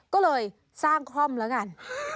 ก็เลยสร้างคล่อมแล้วกัน